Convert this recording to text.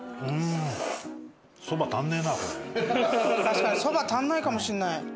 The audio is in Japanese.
確かにそば足んないかもしれない。